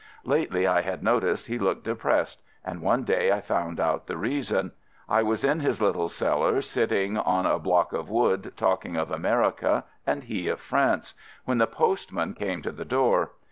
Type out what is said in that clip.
Lately I had noticed he looked depressed, and one day I found out the reason. I was in his little cellar FIELD SERVICE 117 sitting on a block of wood, talking of America, and he of France, when the postman came to the door.